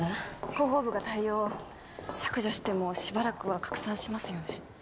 広報部が対応を削除してもしばらくは拡散しますよね